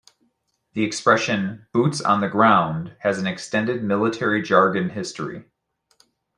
The expression "boots on the ground" has an extended military-jargon history.